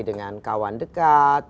dengan kawan dekat